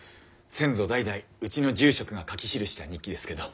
先祖代々うちの住職が書き記した日記ですけど。